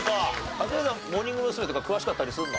カズレーザーモーニング娘。とか詳しかったりするの？